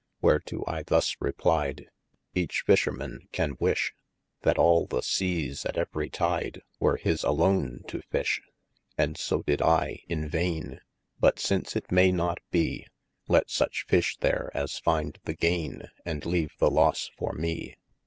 Whereto I thus replied, Eache Fisherman can wishe, That all the Seas at everie tide, Were his aloane to fishe. And so did I [in vaine,) But since it maie not be : Let such fishe there as finde the gaine, And leave the losse for me.